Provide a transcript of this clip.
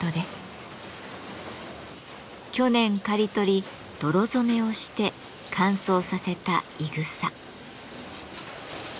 去年刈り取り泥染めをして乾燥させたいぐさ。